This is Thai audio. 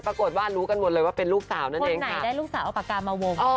ปรากฏว่ารู้กันหมดเลยว่าเป็นลูกสาวนั่นเองไหนได้ลูกสาวเอาปากกามาวง